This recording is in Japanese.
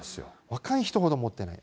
若い人ほど持っていない。